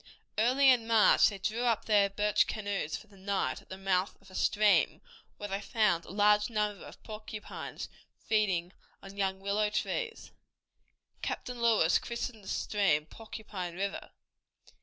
Early in May they drew up their birch canoes for the night at the mouth of a stream where they found a large number of porcupines feeding on young willow trees. Captain Lewis christened the stream Porcupine River.